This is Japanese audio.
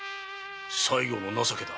最後の情けだ。